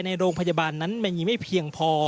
ในโรงพยาบาลนั้นมันมีไม่เพียงพอ